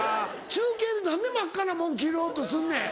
中継で何で真っ赤なもん着ようとすんねん？